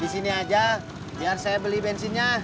di sini aja biar saya beli bensinnya